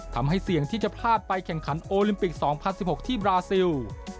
ทำให้เสี่ยงที่จะพลาดไปแข่งขันโอลิมปิก๒๐๑๖ที่บราซิล